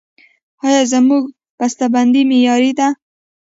آیا زموږ بسته بندي معیاري ده؟